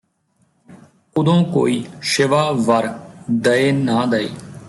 ਉਦੋਂ ਕੋਈ ਸ਼ਿਵਾ ਵਰ ਦਏ ਨਾ ਦਏ